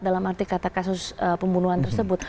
dalam arti kata kasus pembunuhan tersebut